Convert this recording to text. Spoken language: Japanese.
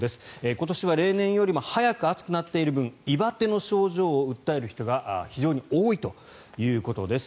今年は例年よりも早く暑くなっている分胃バテの症状を訴える人が非常に多いということです。